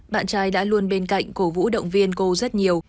bạn trai đã luôn bên cạnh cổ vũ động viên cô rất nhiều